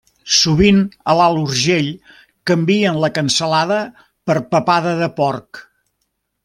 Sovint a l'Alt Urgell canvien la cansalada per papada del porc.